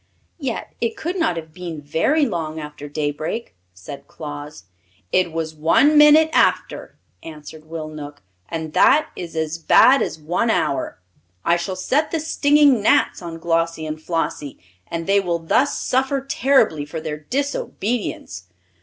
"Yet it could not have been very long after daybreak," said Claus. "It was one minute after," answered Will Knook, "and that is as bad as one hour. I shall set the stinging gnats on Glossie and Flossie, and they will thus suffer terribly for their disobedience."